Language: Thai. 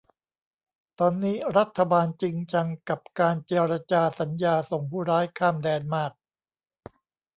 ตอนนี้รัฐบาลจริงจังกับการเจรจาสัญญาส่งผู้ร้ายข้ามแดนมาก